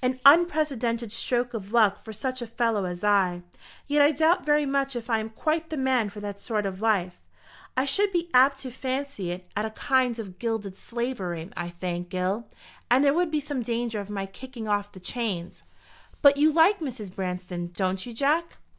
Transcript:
An unprecedented stroke of luck for such a fellow as I. Yet I doubt very much if I am quite the man for that sort of life. I should be apt to fancy it a kind of gilded slavery, I think, Gil, and there would be some danger of my kicking off the chains." "But you like Mrs. Branston, don't you, Jack?"